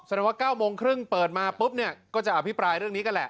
ว่า๙โมงครึ่งเปิดมาปุ๊บเนี่ยก็จะอภิปรายเรื่องนี้กันแหละ